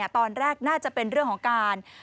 ตอนแรกน่าจะเป็นเรื่องของการ